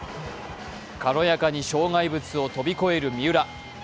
軽やかに障害物を跳び越える三浦。